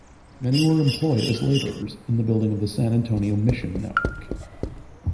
Many were employed as laborers in the building of the San Antonio mission network.